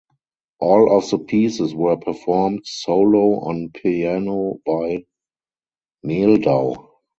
All of the pieces were performed solo on piano by Mehldau.